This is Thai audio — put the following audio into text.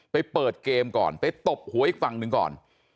ไปเปิดเกมก่อนไปตบหัวอีกฝั่งหนึ่งก่อน